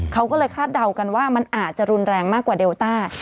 เขาก็เลยคาดเดากันว่ามันอาจจะรุนแรงมากกว่าเดลต้า